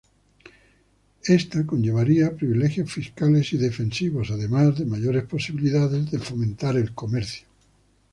Esta conllevaría privilegios fiscales y defensivos, además de mayores posibilidades de fomentar el comercio.